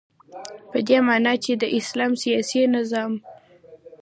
په دی معنا چی د اسلام سیاسی نظام